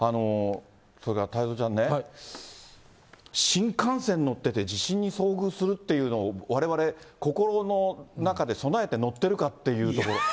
それから太蔵ちゃんね、新幹線乗ってて、地震に遭遇するっていうのを、われわれ、心の中で備えて乗ってるかっていうところ。